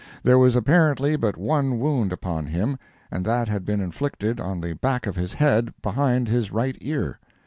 There was apparently but one wound upon him, and that had been inflicted on the back of his head, behind his right ear.